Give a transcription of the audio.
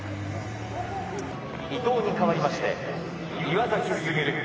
伊藤に代わりまして、岩崎優。